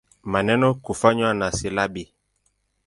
Maneno kufanywa na silabi.